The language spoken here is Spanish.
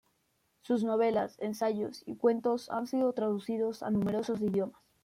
Sus novelas, ensayos y cuentos han sido traducidos a numerosos idiomas.